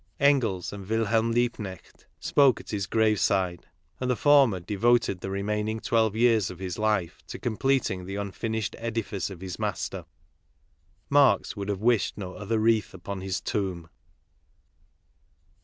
Engels and Wilhelm Liebknecht spoke at his graveside ; and the former devoted the remaining twelve years of his life to completing the unfinished edifice of his master. Marx would have wished no other wreath upon his tomb.